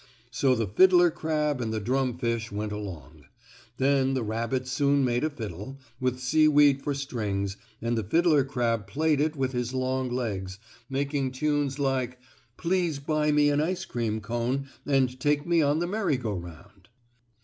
So the fiddler crab and the drum fish went along. Then the rabbit soon made a fiddle, with seaweed for strings, and the fiddler crab played it with his long legs, making tunes like "Please Buy Me an Ice Cream Cone and Take Me on the Merry go 'Round."